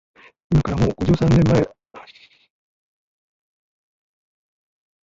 いまから、もう五十三年も前のことです